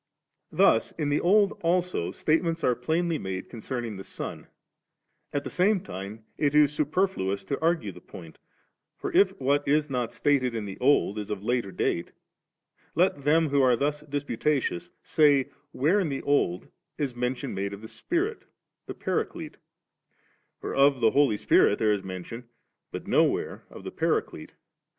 Thus in the Old also, statements are plainly made concerning the Son; at the same time it is superfluous to argue the point; for if what is not stated in the Oki is of later date, let them who are thus dis putatious, say where in the Old is mention made of the Spirit, the Paraclete ? for of the Holy Spirit there is mention, but nowhere of the Paraclete.